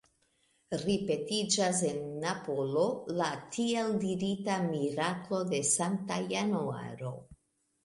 Ripetiĝas en Napolo la tiel dirita «miraklo de Sankta Januaro».